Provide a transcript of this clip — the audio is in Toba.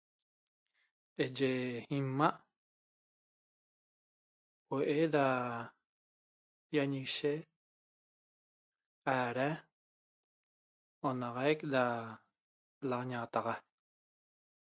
iye ima huo'oe da yañiguishe ara onaxaic da lañaxataxa.